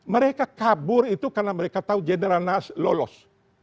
mereka kabur itu karena mereka tahu jenderal nas lolos